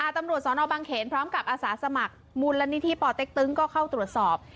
ตำรวจสนบังเขนพร้อมกับอาสาสมัครมูลนิธิปอเต็กตึงก็เข้าตรวจสอบ